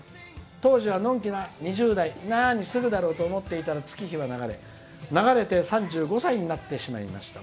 当時はのんきな２０代何をするだろうと思っていたら月日は流れ、流れて３５歳になってしまいました。